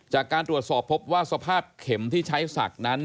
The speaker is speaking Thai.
จากการตรวจสอบพบว่าสภาพเข็มที่ใช้ศักดิ์นั้น